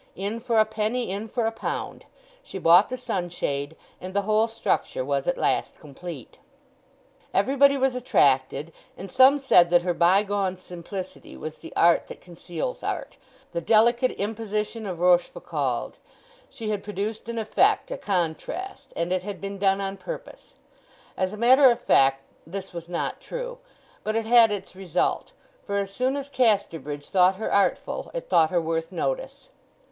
In for a penny in for a pound; she bought the sunshade, and the whole structure was at last complete. Everybody was attracted, and some said that her bygone simplicity was the art that conceals art, the "delicate imposition" of Rochefoucauld; she had produced an effect, a contrast, and it had been done on purpose. As a matter of fact this was not true, but it had its result; for as soon as Casterbridge thought her artful it thought her worth notice.